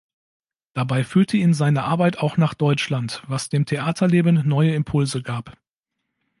Dabei führte ihn seine Arbeit auch nach Deutschland, was dem Theaterleben neue Impulse gab.